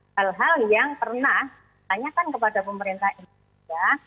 hal hal yang pernah ditanyakan kepada pemerintah indonesia